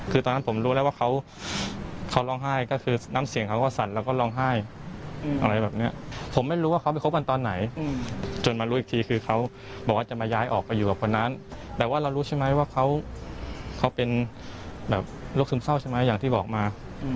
คือตอนนั้นผมรู้แล้วว่าเขาร้องไห้ก็คือน้ำเสียงเขาก็สั่นแล้วก็ร้องไห้อะไรแบบนี้ผมไม่รู้ว่าเขาไปคบกันตอนไหนจนมารู้อีกทีคือเขาบอกว่าจะมาย้ายออกไปอยู่กับคนนั้นแต่ว่าเรารู้ใช่ไหมว่าเขาเป็นแบบโรคซึมเศร้าใช่ไหมอย่างที่บอกมา